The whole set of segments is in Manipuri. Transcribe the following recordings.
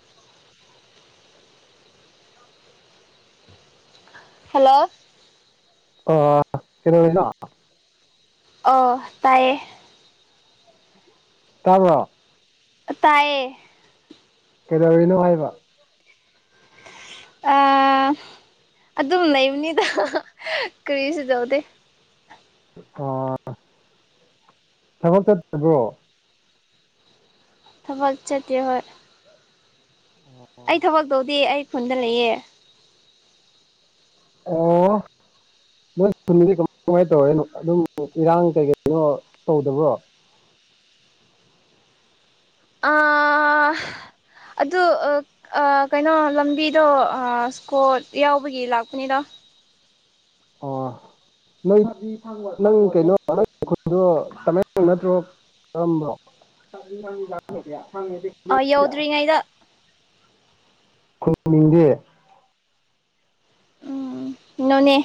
[inaudible] ꯍꯜꯂꯣ ꯑ ꯀꯩꯗꯧꯔꯤꯅꯣ ꯑꯣ ꯇꯥꯏꯌꯦ ꯇꯥꯕ꯭ꯔꯣ ꯇꯥꯏꯌꯦ ꯀꯩꯗꯧꯔꯤꯅꯣ ꯍꯥꯏꯕ ꯑ ꯑꯗꯨꯝ ꯂꯩꯕꯅꯤꯗ ꯀꯔꯤꯁꯨ ꯇꯧꯗꯦ ꯑꯣ ꯊꯕꯛ ꯆꯠꯇꯕ꯭ꯔꯣ ꯊꯕꯛ ꯆꯠꯇꯦ ꯍꯣꯏ ꯑꯩ ꯊꯕꯛ ꯇꯧꯗꯦ ꯑꯩ ꯈꯨꯟꯗ ꯂꯩꯌꯦ ꯑꯣ ꯅꯣꯏ ꯈꯨꯟꯗꯤ ꯀꯃꯥꯏ ꯀꯃꯥꯏꯅ ꯇꯧꯔꯦꯅꯣ ꯑꯗꯨꯝ ꯏꯔꯥꯡ ꯀꯩ ꯀꯩꯅꯣ ꯇꯧꯗꯕ꯭ꯔꯣ ꯑꯥ ꯑꯗꯨ ꯑ ꯑ ꯀꯩꯅꯣ ꯂꯝꯕꯤꯗꯣ ꯑ ꯁ꯭ꯀꯣꯠ ꯌꯥꯎꯕꯒꯤ ꯂꯥꯛꯄꯅꯤꯗꯣ [inaudible] ꯅꯣꯏꯗꯤ ꯅꯪ ꯀꯩꯅꯣ ꯅꯪ ꯈꯛꯇ꯭ꯔꯣ ꯇꯃꯦꯡꯂꯣꯡ ꯅꯠꯇ꯭ꯔꯣ [unintelligible] [unintelligible] ꯑ ꯌꯧꯗ꯭ꯔꯤꯉꯩꯗ ꯈꯨꯝꯅꯤꯡꯗꯦ ꯎꯝ ꯅꯣꯅꯦ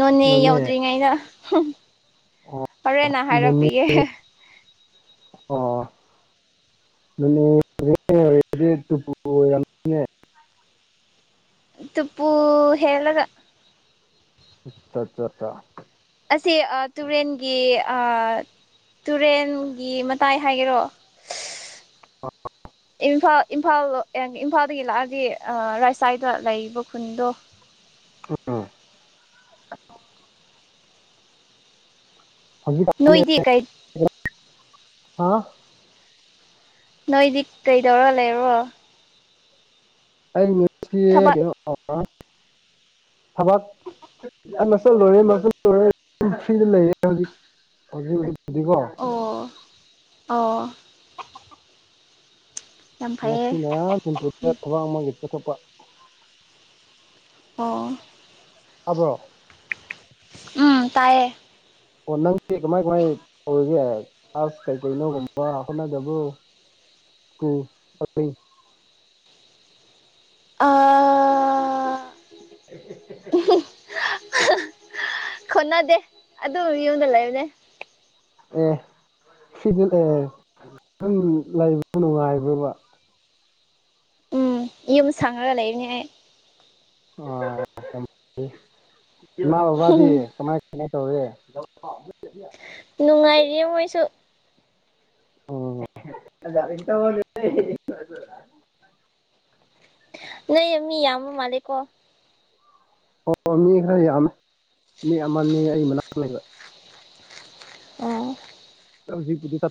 ꯅꯣꯅꯦ ꯌꯧꯗ꯭ꯔꯤꯉꯩꯗ ꯑꯣ ꯍꯣꯔꯦꯟ ꯅꯣꯅꯦ ꯍꯥꯏꯔꯛꯄꯤꯒꯦ ꯑꯣ ꯅꫭꯅꯦ ꯌꯧꯗ꯭ꯔꯤꯉꯩ ꯑꫭꯏꯗꯤ ꯇꯨꯄꯨꯜ ꯑꯣ ꯌꯥꯝ ꯇꯨꯄꯨ ꯍꯦꯜꯂꯒ ꯑꯆꯥꯆꯥ ꯆꯥ꯫ ꯑꯁꯤ ꯑꯥ ꯇꯨꯔꯦꯟꯒꯤ ꯑꯥ ꯇꯨꯔꯦꯟꯒꯤ ꯃꯇꯥꯏ ꯍꯥꯏꯒꯦꯔꯣ ꯏꯝꯐꯥꯜ ꯏꯝꯐꯥꯜ ꯏꯝꯐꯥꯜꯗꯒꯤ ꯂꯥꯛꯑꯒꯦ ꯔꯥꯏꯁꯥꯏꯗ ꯂꯩꯕ ꯈꯨꯟꯗꯣ ꯏꯟꯑꯣꯗꯤꯕꯜ ꯅꯣꯏꯗꯤ ꯀꯩ꯫ ꯍꯥꯥ ꯅꯣꯏꯗꯤ ꯀꯩꯗꯧꯔ ꯂꯩꯔꯣ ꯑꯩ ꯉꯁꯤ ꯊꯕꯛ ꯀꯩꯅꯣ ꯊꯕꯛ ꯌꯥꯝ [unintelligible] ꯑꯣ ꯑꯣ ꯌꯥꯝ ꯐꯩꯌꯦ ꯉꯁꯤꯅ ꯁꯤꯝꯄ꯭ꯔꯨꯞꯇ ꯊꯕꯛ ꯑꯃꯒꯤ ꯆꯠꯊꯣꯛꯄ ꯑꯣ꯫ ꯇꯥꯕ꯭ꯔꯣ꯫ ꯎꯝ ꯇꯥꯌꯦ꯫ ꯑꯣ ꯅꯪꯗꯤ ꯀꯃꯥꯏ ꯀꯃꯥꯏ ꯇꯧꯔꯤꯒꯦ꯫ ꯀ꯭ꯂꯥꯁ ꯀꯩꯀꯩꯅꯣꯒꯨꯝꯕ ꯍꯣꯠꯅꯖꯕꯨ ꯁꯀꯨꯜ ꯆ ꯑꯥ [unintelligible] ꯈꯅꯥꯗꯦ ꯑꯗꯨ ꯌꯨꯝꯗ ꯂꯩꯕꯅꯦ ꯑꯦ ꯁꯤꯗꯤ [unintelligible] ꯂꯩꯕ ꯅꯨꯡꯛꯥꯏꯔꯣꯏꯕ ꯎꯝ ꯌꯨꯝ ꯁꯪꯉꯒ ꯂꯩꯕꯅꯦꯍ [unintelligible] ꯃꯥꯗꯤ ꯀꯃꯥꯏ ꯀꯃꯥꯏ ꯇꯧꯔꯤ [unintelligible] ꯅꯨꯡꯉꯥꯏꯔꯤ ꯃꯣꯏꯁꯨ꯫ [unintelligible] ꯅꯣꯏ ꯃꯤ ꯌꯥꯝꯕ ꯃꯥꯜꯂꯦꯀꯣ꯫ ꯑꯣ ꯃꯤ ꯈꯔ ꯌꯥꯝꯃꯦ ꯃꯤ ꯑꯃꯅꯤ ꯑꯩ ꯃꯅꯥꯛꯇ ꯂꯩꯕ꯫ ꯑꯥ꯫ ꯍꯧꯖꯤꯛꯄꯨꯗꯤ ꯇꯦ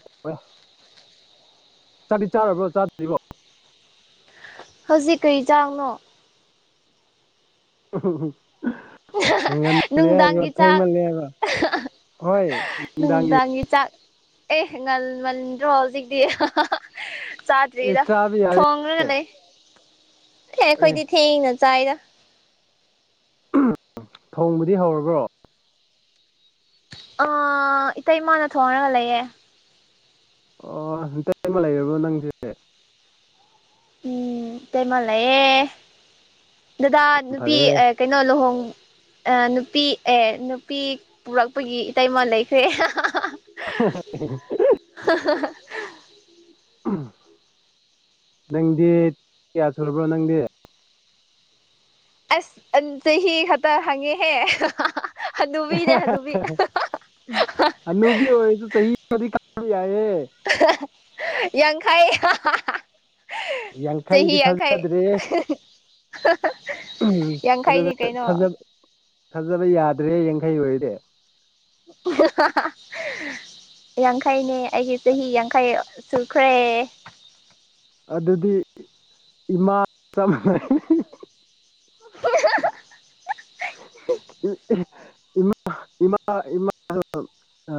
ꯆꯥꯗꯤ ꯆꯥꯔꯕ꯭ꯔꯣ ꯆꯥꯗ꯭ꯔꯤꯕꯣ ꯍꯧꯖꯤꯛ ꯀꯔꯤ ꯏꯖꯥꯡꯅꯣ꯫ [unintelligible] ꯉꯜꯂꯦ ꯍꯥꯏꯕ꯭ꯔꯣ ꯅꯨꯡꯗꯥꯡꯒꯤ ꯆꯥꯛ ꯊꯦꯡꯃꯜꯂꯦ ꯍꯥꯏꯕ꯭ꯔꯣ ꯅꯨꯡꯗꯥꯡꯒꯤ ꯆꯥꯛ ꯑꯦ ꯉꯜꯃꯟꯗ꯭ꯔꯣ ꯍꯧꯖꯤꯛꯇꯤ ꯑꯦ ꯆꯥꯗ꯭ꯔꯤꯗ ꯆꯥꯕ ꯌꯥꯔꯦ ꯊꯣꯡꯉꯒ ꯂꯩ ꯑꯦ ꯑꯩꯈꯣꯏꯗꯤ꯫ ꯊꯦꯡꯅ ꯆꯥꯏꯗ꯫ ꯊꯣꯡꯕꯗꯤ ꯍꯧꯔꯕ꯭ꯔꯣ ꯑ ꯏꯇꯩ ꯏꯃꯥꯅ ꯊꯣꯡꯉꯒ ꯂꯩꯌꯦ ꯑꯣ ꯍꯟꯇꯩ ꯑꯃ ꯂꯩꯔꯕ꯭ꯔꯣ ꯅꯪꯒꯤ ꯎꯝ ꯇꯃꯂꯌꯦ ꯗꯗꯥ ꯑꯁ ꯌꯥꯝ ꯅꯨꯄꯤ ꯐꯔꯦ ꯑ ꯀꯩꯅꯣ ꯂꯨꯍꯣꯡ ꯑ ꯅꯨꯄꯤ ꯑꯦ ꯅꯨꯄꯤ ꯄꯨꯔꯛꯄꯒꯤ ꯏꯇꯩꯃ ꯂꯩꯈ꯭ꯔꯦ [unintelligible] ꯍ ꯍ ꯍ ꯅꯪꯗꯤ ꯀꯌꯥ ꯁꯨꯔꯕ꯭ꯔꯣ ꯅꯪꯗꯤ꯫ ꯑꯁ ꯑꯟ ꯆꯍꯤ ꯈꯛꯇ ꯍꯪꯉꯦꯍꯦ ꯍꯅꯨꯕꯤꯅꯦ ꯍꯅꯨꯕꯤ ꯍꯅꯨꯕꯤ ꯑꯣꯏꯁꯨ ꯆꯍꯤ ꯀꯗꯤ ꯀꯥ ꯌꯥꯏꯌꯦ ꯌꯦꯡꯈꯥꯏ ꯆꯍꯤ ꯌꯥꯡꯈꯩꯗꯤ ꯌꯥꯡꯈꯩ꯫ ꯊꯥꯖꯗ꯭ꯔꯦ ꯌꯥꯡꯈꯩꯅꯤ ꯀꯩꯅꯣ꯫ ꯐꯖꯕ ꯌꯥꯗ꯭ꯔꯦ ꯌꯥꯡꯈꯩ ꯑꯣꯏꯔꯗꯤ꯫ [unintelligible] ꯌꯥꯡꯈꯩꯅꯦ ꯑꯩꯒꯤ ꯆꯍꯤ ꯌꯥꯡꯈꯩ ꯁꯨꯈ꯭ꯔꯦ꯫ ꯑꯗꯨꯗꯤ ꯏꯃꯥ ꯆꯞ ꯃꯥꯟꯅꯩ꯫ ꯎꯝ ꯏꯃꯥ ꯏꯃꯥ ꯏꯃꯥ ꯑ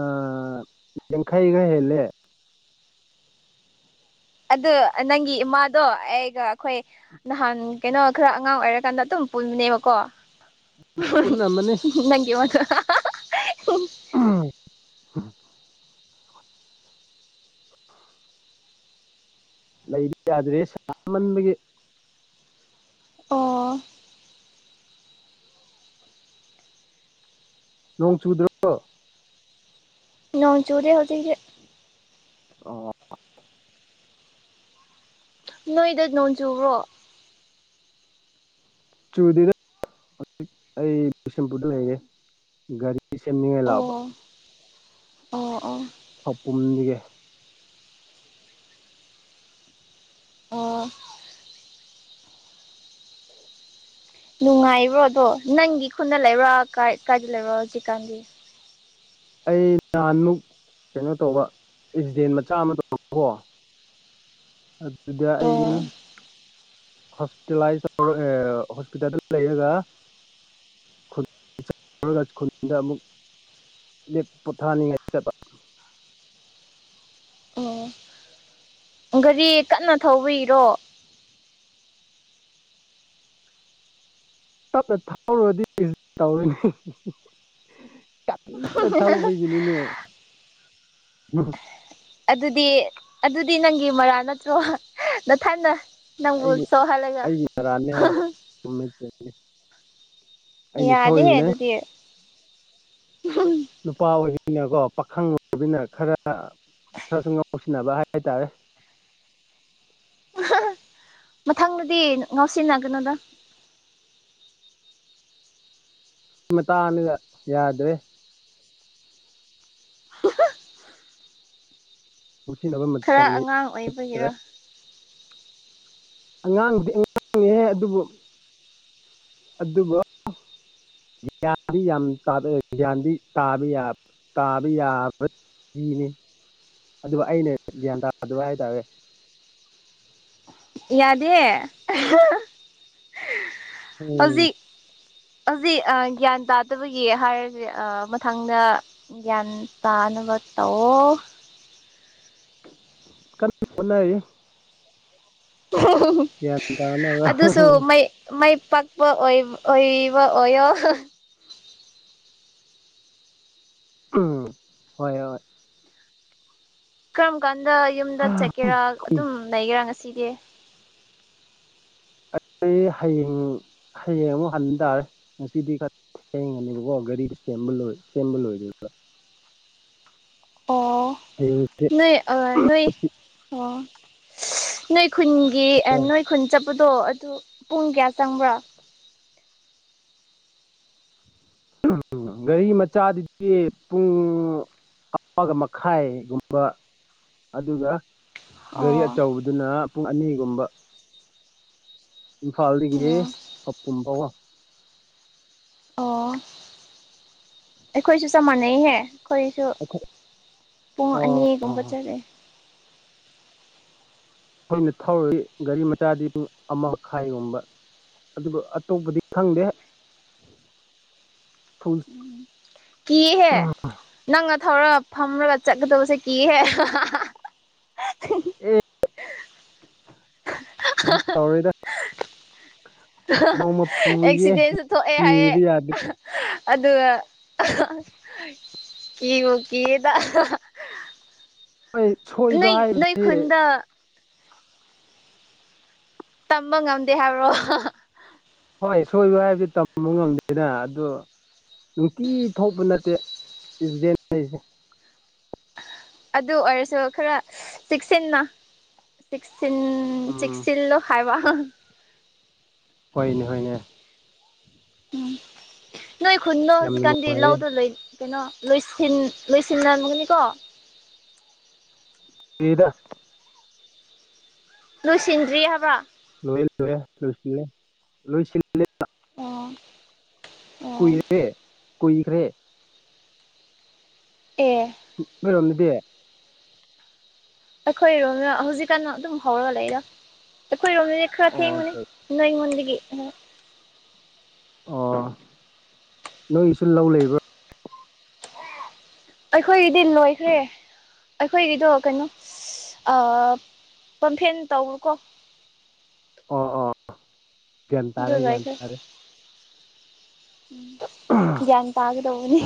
ꯌꯦꯡꯈꯥꯏ ꯈꯔꯥ ꯍꯦꯂꯦ꯫ ꯑꯗꯨ ꯅꯪꯒꯤ ꯏꯃꯥꯗꯣ ꯑꯩꯒ ꯑꯩꯈꯣꯏ ꯅꯍꯥꯟ ꯀꯩꯅꯣ ꯈꯔ ꯑꯉꯥꯡ ꯑꯣꯏꯔꯀꯥꯟꯗ ꯑꯗꯨꯝ ꯄꯨꯟꯕꯅꯦꯕꯀꯣ꯫ ꯄꯨꯟꯅꯝꯃꯅꯤ ꯅꯪꯒꯤ ꯎꯝ ꯂꯩꯕ ꯌꯥꯗ꯭ꯔꯦꯍꯦ ꯁꯥꯃꯟꯕꯒꯤ꯫ ꯑꯣ ꯅꯣꯡ ꯆꯨꯗ꯭ꯔꯣ ꯅꯣꯡ ꯆꯨꯨꯔꯦ ꯍꯧꯖꯤꯛꯇꯤ꯫ ꯑꯣ ꯅꯣꯏꯗꯣ ꯅꯣꯡ ꯆꯨꯨꯔꯣ ꯆꯨꯗꯦꯗꯥ ꯍ ꯑꯩ ꯕꯤꯁꯦꯝꯄꯨꯔꯗ ꯂꯩꯔꯦ ꯒꯥꯔꯤ ꯁꯦꯝꯅꯤꯡꯉꯥꯏ ꯂꯥꯛꯕ ꯑꯣ ꯑꯣ ꯑꯣ ꯈꯥꯑꯣꯄꯨꯝꯗꯒꯤ ꯑꯣ ꯅꯨꯡꯉꯥꯏꯕ꯭ꯔꯣ ꯑꯗꯣ ꯅꯪꯒꯤ ꯈꯨꯟꯗ ꯂꯩꯕ꯭ꯔꯥ ꯀꯥꯏ ꯀꯥꯏꯗ ꯂꯩꯕ꯭ꯔꯣ ꯍꯧꯖꯤꯛꯀꯥꯟꯗꯤ꯫ ꯑꯩ ꯅꯍꯥꯟꯃꯨꯛ ꯀꯩꯅꯣ ꯇꯧꯕ ꯑꯦꯛꯁꯤꯗꯦꯟ ꯃꯆꯥ ꯑꯃ ꯇꯀꯣ꯫ ꯑꯗꯨꯗꯤ ꯑꯩ ꯑꯣ ꯍꯣꯁꯄꯤꯇꯥꯂꯥꯏꯁ ꯇꯧꯔ ꯑꯦ ꯍꯣꯁꯄꯤꯇꯥꯜꯗ ꯂꯩꯔꯒ [unintelligible] ꯈꯨꯟꯗ ꯑꯃꯨꯛ [unintelligible] ꯑꯣ ꯒꯥꯔꯤ ꯀꯟꯅ ꯊꯧꯕꯔꯣ? ꯇꯞꯅ ꯊꯧꯔꯨꯔꯗꯤ ꯇꯧꯔꯅꯦ ꯀꯟꯅ ꯊꯧꯕꯒꯤ꯫ ꯏꯅꯦ꯫ ꯑꯗꯨꯗꯤ ꯑꯗꯨꯗꯤ ꯅꯪꯒꯤ ꯃꯔꯜ ꯅꯠꯇ꯭ꯔꯣ ꯅꯊꯟꯅ ꯅꯪꯕꯨ ꯑꯩꯒꯤ ꯁꯣꯍꯜꯒ ꯑꯩꯒꯤ ꯅꯔꯥꯟꯅꯦ ꯍꯣꯏ ꯆꯨꯝꯃꯦ ꯆꯨꯝꯃꯦ ꯑꯩꯅ ꯌꯥꯗꯦ ꯁꯣꯏꯕꯅꯦ ꯑꯗꯨꯗꯤ꯫ ꯅꯨꯄꯥ ꯑꯣꯏꯕꯤꯅꯀꯣ ꯄꯥꯈꯪ ꯑꯣꯏꯕꯅ ꯈꯔ ꯈꯔꯁꯨ ꯉꯧꯁꯤꯟꯅꯕ ꯍꯥꯏꯇꯥꯔꯦ꯫ ꯃꯊꯪꯗꯗꯤ ꯉꯥꯎꯁꯤꯟꯅꯒꯅꯨꯗ ꯃꯦ ꯇꯥꯟꯅ ꯌꯥꯗ꯭ꯔꯦ꯫ ꯉꯥꯎꯁꯤꯟꯅꯕ ꯈꯔ ꯃꯇꯝꯗꯤ ꯑꯉꯥꯡ ꯅꯠꯇꯔꯦ꯫ ꯑꯣꯏꯕꯒꯤꯔꯣ ꯑꯉꯥꯡꯕꯨꯗꯤ ꯑꯉꯥꯡꯉꯦꯍꯦ ꯑꯗꯨꯕꯨ ꯑꯗꯨꯕꯨ ꯒꯌ꯭ꯥꯟ ꯗꯤ ꯌꯝ ꯇꯥꯕꯥ ꯌꯥꯕꯅꯤ ꯑꯗꯨꯒ ꯑꯩꯅ ꯒ꯭ꯌꯥꯟ ꯇꯥꯗꯕ ꯍꯥꯏꯇꯥꯔꯦ ꯌꯥꯗꯦ ꯎꯝ ꯍꯧꯖꯤꯛ ꯍꯧꯖꯤꯛ ꯒ꯭ꯌꯥꯟ ꯇꯥꯗꯕꯒꯤ ꯍꯥꯏꯔꯁꯦ ꯃꯊꯪꯗ ꯒꯌ꯭ꯥꯟ ꯇꯅꯕ ꯇꯥꯎꯑꯣ꯫ ꯍꯣꯠꯅꯥꯔꯤ ꯫ ꯒ꯭ꯌꯥꯟ ꯇꯥꯅꯕ ꯑꯗꯨꯁꯨ ꯃꯩ ꯃꯥꯏ ꯄꯥꯛꯄ ꯑꯣꯏꯕ ꯑꯣꯏꯌꯣ꯫ ꯎꯝ ꯍꯣꯏ ꯍꯣꯏ ꯀꯔꯝ ꯀꯥꯟꯗ ꯌꯨꯝꯗ ꯑꯩ ꯆꯠꯀꯦꯔꯥ ꯑꯗꯨꯝ ꯂꯩꯒꯦꯔꯥ ꯉꯁꯤꯗꯤ꯫ ꯑꯩ ꯍꯌꯦꯡ ꯍꯌꯦꯡ ꯑꯃꯨꯛ ꯍꯟ ꯇꯥꯔꯦ ꯉꯁꯤꯗꯤ ꯊꯦꯡꯉꯅꯦꯕꯀꯣ ꯒꯥꯔꯤꯗꯨ ꯁꯦꯝꯕ ꯂꯣꯏ ꯁꯦꯝꯕ ꯂꯣꯏꯗꯔꯤꯕ꯭ꯔꯥ ꯑꯣ ꯍꯌꯦꯡ ꯅꯣꯏ ꯑꯥ ꯅꯣꯏ ꯑꯣ ꯅꯣꯏ ꯈꯨꯟꯒꯤ ꯑ ꯅꯣꯏ ꯈꯨꯟ ꯆꯠꯄꯗꯣ ꯑꯗꯨ ꯄꯨꯡ ꯀꯌꯥ ꯆꯪꯕ꯭ꯔꯥ ꯒꯥꯔꯤ ꯃꯆꯥꯗꯗꯤ ꯄꯨꯡ ꯑꯃꯥꯒ ꯃꯈꯥꯏꯒꯨꯝꯕ ꯑꯗꯨꯒ ꯒꯥꯔꯤ ꯑꯣ ꯑꯆꯧꯕꯗꯨꯅ ꯄꯨꯡ ꯑꯅꯤꯒꯨꯝꯕ ꯏꯝꯐꯥꯜꯗꯒꯤ ꯑꯣ ꯈꯧꯄꯨꯝ ꯐꯥꯎꯕ ꯑꯣ ꯑꯩꯈꯣꯏꯁꯨ ꯆꯞ ꯃꯥꯟꯅꯩꯍꯦ ꯑꯩꯈꯣꯏꯁꯨ ꯄꯨꯡ ꯑꯣ ꯑꯅꯤꯒꯨꯝꯕ ꯑꯩꯈꯣꯏꯅ ꯆꯠꯂꯦ ꯑꯩꯈꯣꯏꯅ ꯊꯧꯔꯗꯤ ꯒꯥꯔꯤ ꯃꯆꯥꯗꯤ ꯄꯨꯡ ꯑꯃꯥ ꯃꯈꯥꯏꯒꯨꯝꯕ ꯑꯗꯨꯒ ꯑꯇꯣꯞꯄꯗꯤ ꯈꯪꯗꯦ [unintelligible] ꯀꯤꯍꯦ ꯅꯪꯅ ꯊꯧꯔꯒ ꯐꯝꯂꯒ ꯆꯠꯀꯗꯕꯁꯦ ꯀꯤꯍꯦ ꯑꯦ ꯀꯩꯁꯨ ꯇꯧꯔꯣꯏꯗ ꯅꯣꯡꯃ ꯄꯨꯒꯦ ꯑꯦꯛꯁꯤꯗꯦꯟꯁꯨ ꯊꯣꯛꯑꯦ ꯍꯥꯏꯌꯦ ꯀꯤꯕ ꯌꯥꯗꯦ ꯑꯗꯨꯒ ꯀꯤꯕꯨ ꯀꯤꯌꯦꯗ ꯍꯣꯏ ꯁꯣꯏꯕ ꯅꯣꯏ ꯅꯣꯏ ꯍꯥꯏꯕꯁꯤꯗꯤ ꯈꯨꯟꯗ ꯇꯝꯕ ꯉꯝꯗꯦ ꯍꯥꯏꯕ꯭ꯔꯣ ꯍꯣꯏ ꯁꯣꯏꯕ ꯍꯥꯏꯕꯗꯤ ꯇꯝꯕ ꯉꯝꯗꯦꯅ ꯑꯗꯨ ꯅꯨꯡꯇꯤ ꯊꯣꯛꯄ ꯅꯠꯇꯦ ꯑꯦꯛꯁꯤꯗꯦꯟ ꯍꯥꯏꯁꯦ ꯑꯗꯨ ꯑꯣꯏꯔꯁꯨ ꯈꯔ ꯆꯦꯛꯁꯤꯟꯅ ꯆꯦꯛꯁꯤꯟ ꯎꯝ ꯆꯦꯛꯁꯤꯟꯂꯨ ꯍꯥꯏꯕ ꯍꯣꯏꯅꯦ ꯍꯣꯏꯅꯦ ꯎꯝ ꯅꯣꯏ ꯈꯨꯨꯟꯗꯣ ꯌꯥꯝꯅ ꯍꯧꯖꯤꯛꯀꯥꯟꯗꯤ ꯅꯨꯡꯉꯥꯏꯌꯦ ꯂꯧꯗ ꯂꯣꯢ ꯀꯩꯅꯣ ꯂꯣꯏꯁꯤꯟ ꯂꯣꯢꯁꯤꯟꯅꯔꯝꯒꯅꯤꯀꯣ ꯗ꯭ꯔꯤꯗ ꯂꯣꯏꯁꯤꯟꯗ꯭ꯔꯤ ꯍꯥꯏꯕ ꯂꯣꯏꯌꯦ ꯂꯣꯏꯌꯦ ꯂꯣꯏꯁꯤꯜꯂꯦ ꯂꯣꯏꯁꯤꯜꯂꯦ ꯑꯣ ꯑꯣ ꯀꯨꯏꯔꯦ ꯀꯨꯏꯈ꯭ꯔꯦ ꯑꯦ ꯅꯣꯏꯔꯣꯝꯗꯗꯤ ꯑꯩꯈꯣꯏꯔꯣꯝꯅ ꯍꯧꯖꯤꯛꯀꯥꯟ ꯑꯗꯨꯝ ꯍꯧꯔꯒ ꯂꯩꯗ ꯑꯩꯈꯣꯏꯔꯣꯝꯗꯗꯤ ꯈꯔ ꯑꯣ ꯊꯦꯡꯕꯅꯤ ꯅꯣꯏꯉꯣꯟꯗꯒꯤ ꯑꯣ ꯅꯣꯏꯒꯤꯁꯨ ꯂꯧ ꯂꯩꯕ꯭ꯔꯥ ꯑꯩꯈꯣꯏꯒꯤꯗꯤ ꯂꯣꯏꯈ꯭ꯔꯦ ꯑꯩꯈꯣꯏꯒꯤꯗꯣ ꯀꯩꯅꯣ ꯑꯥ ꯄꯝꯐꯦꯟ ꯇꯧꯔꯀꯣ ꯑꯣ ꯑꯣ ꯒ꯭ꯌꯥꯟ ꯑꯗꯨ ꯇꯥꯔꯦ ꯒ꯭ꯌꯥꯟ ꯂꯣꯏꯈ꯭ꯔꯦ ꯇꯥꯔꯦ ꯎꯝ ꯒ꯭ꯌꯥꯟ ꯇꯥꯒꯗꯧꯕꯅꯤ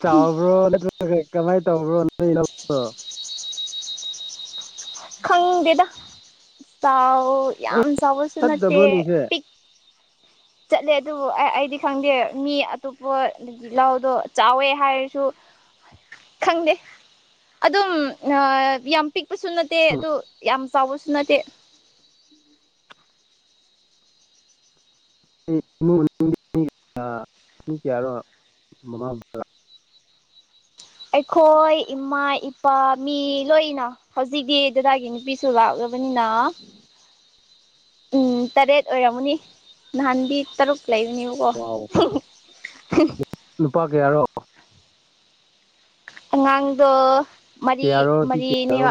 ꯆꯥꯎꯕ꯭ꯔꯣ ꯅꯠꯇ꯭ꯔꯒ ꯀꯃꯥꯏ ꯇꯧꯕ꯭ꯔꯣ ꯅꯣꯢ ꯂꯧꯗꯣ ꯈꯪꯗꯦꯗ ꯆꯥꯎ ꯌꯥꯝ ꯆꯥꯎꯕ ꯁꯨ ꯅꯠꯇꯦ ꯆꯠꯇꯕ꯭ꯔꯣ ꯅꯪꯁꯦ ꯄꯤꯛ ꯆꯠꯂꯦ ꯑꯗꯨꯕꯨ ꯑꯩꯗꯤ ꯈꯪꯗꯦ ꯃꯤ ꯑꯇꯣꯞꯄ ꯍꯣꯢ ꯂꯧꯗꯣ ꯆꯥꯎꯋꯦ ꯍꯥꯏꯔꯁꯨ ꯈꯪꯗꯦ ꯑꯗꯨꯝ ꯌꯥꯝ ꯄꯤꯛꯄꯁꯨ ꯇꯦ ꯑꯗꯨ ꯌꯥꯝ ꯆꯥꯎꯕꯁꯨ ꯅꯠꯇꯦ ꯑꯩ ꯏꯃꯨꯡ ꯃꯅꯨꯡꯗꯤ ꯀꯌꯥꯅꯣ ꯃꯃꯥ ꯕꯕꯥ ꯑꯩꯈꯣꯏ ꯏꯃꯥ ꯏꯄꯥ ꯃꯤ ꯂꯣꯏꯅ ꯍꯧꯖꯤꯛꯇꯤ ꯗꯗꯥꯒꯤ ꯅꯨꯄꯤ ꯁꯨ ꯂꯥꯛꯂꯕꯅꯤꯅ ꯎꯝ ꯇꯔꯦꯠ ꯑꯣꯏꯔꯝꯃꯅꯤ ꯅꯍꯥꯟꯗꯤ ꯇꯔꯨꯛ ꯂꯩꯕꯅꯦꯕꯀꯣ ꯋꯥꯎ [unintelligible] ꯅꯨꯄꯥ ꯀꯌꯥꯔꯣ ꯑꯉꯥꯡꯗꯣ ꯃꯔꯤ ꯀꯌꯥꯔꯣ ꯅꯨꯄꯤ ꯃꯔꯤꯅꯦ ꯀꯌꯥꯔꯣ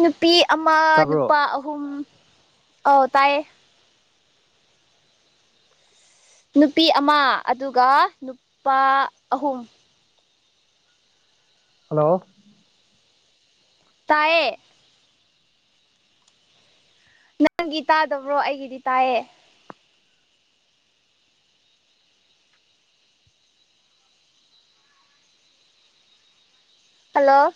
ꯅꯨꯄꯤ ꯑꯃ ꯇꯥꯕ꯭ꯔꯣ ꯅꯨꯄꯥ ꯑꯍꯨꯝ ꯑꯎ ꯇꯥꯏꯌꯦ ꯅꯨꯄꯤ ꯑꯃ ꯑꯗꯨꯒ ꯅꯨꯄꯥ ꯑꯍꯨꯝ ꯍꯜꯂꯣ ꯇꯌꯦ ꯅꯪꯒꯤ ꯇꯥꯗꯕ꯭ꯔꯣ ꯑꯩꯒꯤꯗꯤ ꯇꯥꯏꯌꯦ ꯍꯜꯂꯣ